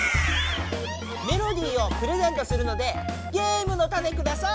メロディーをプレゼントするのでゲームのタネください！